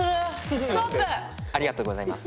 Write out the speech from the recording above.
ありがとうございます。